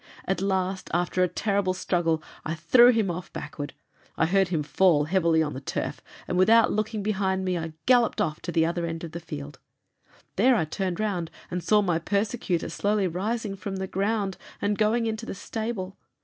At last after a terrible struggle I threw him off backward. I heard him fall heavily on the turf, and without looking behind me, I galloped off to the other end of the field; there I turned round and saw my persecutor slowly rising from the ground and going into the stable.